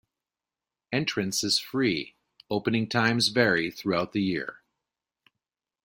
Entrance is free, opening times vary throughout the year.